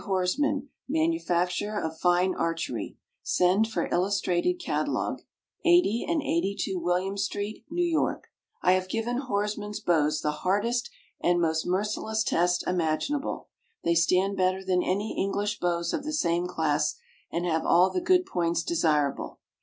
HORSMAN, MANUFACTURER OF FINE ARCHERY (SEND FOR ILLUSTRATED CATALOGUE), 80 & 82 WILLIAM ST., NEW YORK. I have given Horsman's Bows the hardest and most merciless test imaginable. They stand better than any English Bows of the same class, and have all the good points desirable.